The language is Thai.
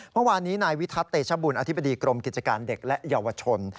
เมื่อวานนี้นายวิทัศนเตชบุญอธิบดีกรมกิจการเด็กและเยาวชน